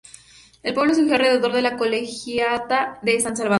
El pueblo surgió alrededor de la Colegiata de San Salvador.